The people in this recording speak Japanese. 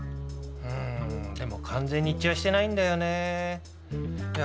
うんでも完全に一致はしてないんだよねいや